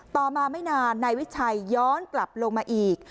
ต่อมาไม่นานนายวิชัยย้อนกลับลงมาอีก